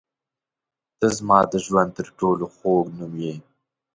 • ته زما د ژوند تر ټولو خوږ نوم یې.